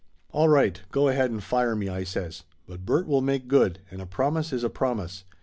"All right, go ahead and fire me!" I says. "But Bert will make good, and a promise is a promise.